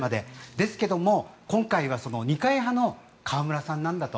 ですが、今回は二階派の河村さんなんだと。